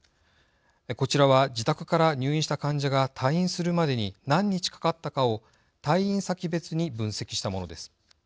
こちらは自宅から入院した患者が退院するまでに何日かかったかを退院先別に分析したものです。